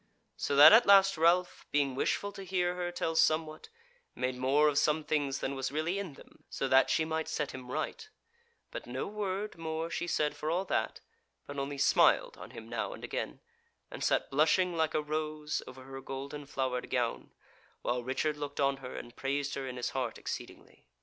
So that at last Ralph, being wishful to hear her tell somewhat, made more of some things than was really in them, so that she might set him right; but no word more she said for all that, but only smiled on him now and again, and sat blushing like a rose over her golden flowered gown, while Richard looked on her and praised her in his heart exceedingly.